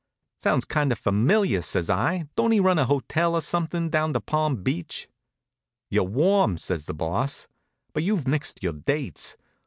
"Sounds kind of familiar," says I. "Don't he run a hotel or something down to Palm Beach?" "You're warm," says the Boss, "but you've mixed your dates.